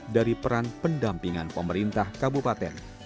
dari peran pendampingan pemerintah kabupaten